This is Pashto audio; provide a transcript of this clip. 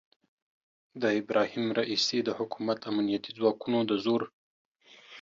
د ابراهیم رئیسي د حکومت امنیتي ځواکونو د زور